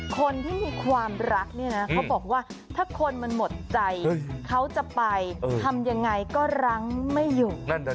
คนที่มีความรักเนี่ยนะเขาบอกว่าถ้าคนมันหมดใจเขาจะไปทำยังไงก็รั้งไม่อยู่